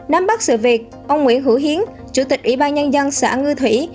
nắm bắt sự việc ông nguyễn hữu hiến chủ tịch ủy ban nhân dân xã ngư thủy